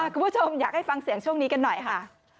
คุณผู้ชมอยากให้ฟังเสียงช่วงนี้กันหน่อยค่ะ